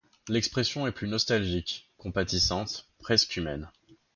L’expression est plus nostalgique, compatissante, presque humaine.